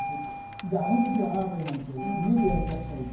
「あの時はああで」なんて家でやりだしちゃうと。